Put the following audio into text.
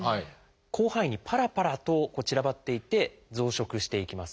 広範囲にパラパラと散らばっていて増殖していきます。